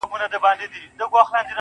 باڼه به مي په نيمه شپه و لار ته ور وړم,